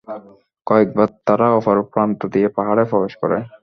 কয়েকবার তারা অপর প্রান্ত দিয়ে পাহাড়ে প্রবেশ করে।